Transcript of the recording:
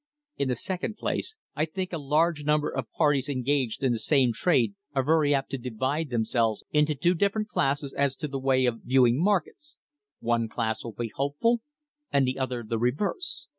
In the second place I think a large number of parties engaged in the same trade are very apt to divide themselves into two different classes as to the way of viewing markets; one class will be hopeful, and the other the reverse.